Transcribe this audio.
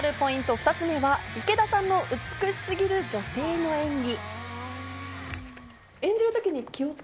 ２つ目は池田さんの美しすぎる女性の演技。